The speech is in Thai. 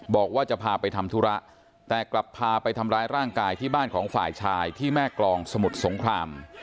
บอกว่าจะพาไปทำธุระแต่กลับพาไปทำร้ายร่างกายที่บ้านของฝ่ายชายที่แม่กรองสมุทรสงคราม